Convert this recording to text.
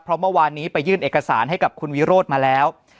เพราะเมื่อวานนี้ไปยื่นเอกสารให้กับคุณวิโรธมาแล้ว